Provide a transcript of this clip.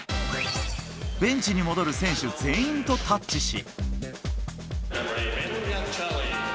ベンチに戻る選手全員とタッチし。